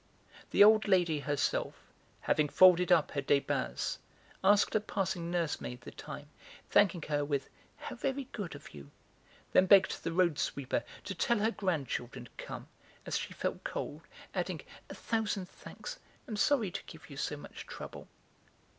The old lady herself, having folded up her Débats, asked a passing nursemaid the time, thanking her with "How very good of you!" then begged the road sweeper to tell her grandchildren to come, as she felt cold, adding "A thousand thanks. I am sorry to give you so much trouble!"